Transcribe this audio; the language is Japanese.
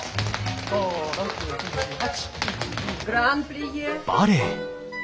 ５６７８。